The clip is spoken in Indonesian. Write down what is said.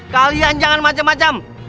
kalian jangan macam macam